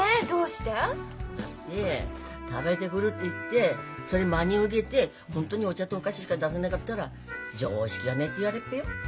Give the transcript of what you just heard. だって食べてくるって言ってそれ真に受けて本当にお茶とお菓子しか出さねかったら常識がねえって言われっぺよ。